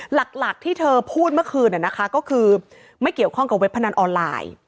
หลักที่เธอพูดเมื่อคืนก็คือไม่เกี่ยวข้องกับเว็บพนันออนไลน์